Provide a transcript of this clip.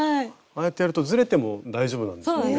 ああやってやるとずれても大丈夫なんですよね。